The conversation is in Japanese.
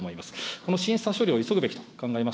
この審査処理を急ぐべきと考え